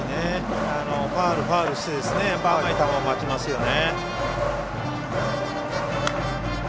ファウル、ファウルして甘い球を待ちますよね。